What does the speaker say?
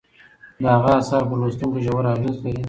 د هغه اثار په لوستونکو ژور اغیز لري.